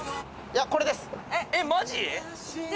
いや、これです。